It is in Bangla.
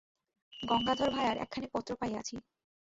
গঙ্গাধর ভায়ার একখানি পত্র পাইয়াছি।